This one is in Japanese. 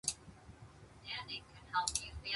腹が減っては戦はできぬ